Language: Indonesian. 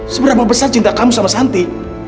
seberapa besar cinta kamu sama santi